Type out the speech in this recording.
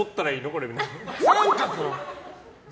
これみたいな。